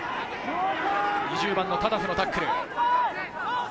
２０番のタタフのタックル。